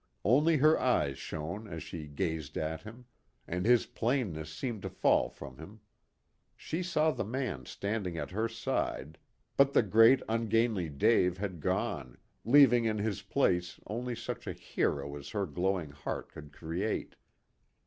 Only her eyes shone as she gazed at him; and his plainness seemed to fall from him. She saw the man standing at her side, but the great ungainly Dave had gone, leaving in his place only such a hero as her glowing heart could create.